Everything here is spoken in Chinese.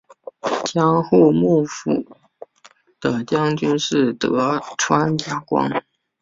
江户幕府的将军是德川家光。